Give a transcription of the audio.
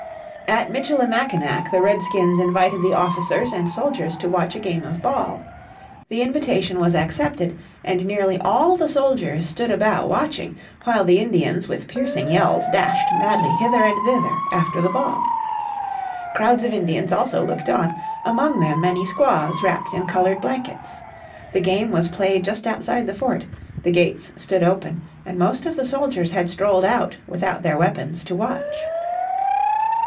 At Michilimackinac the Redskins invited the officers and soldiers to watch a game of ball. The invitation was accepted, and nearly all the soldiers stood about watching while the Indians with piercing yells dashed madly hither and thither after the ball. Crowds of Indians also looked on, among them many squaws wrapped in coloured blankets. The game was played just outside the fort, the gates stood open, and most of the soldiers had strolled out without their weapons to watch.